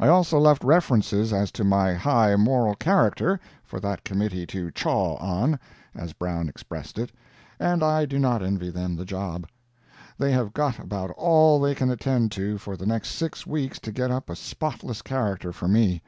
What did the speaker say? I also left references as to my high moral character, for that Committee "to chaw on," as Brown expressed it, and I do not envy them the job. They have got about all they can attend to for the next six weeks to get up a spotless character for me.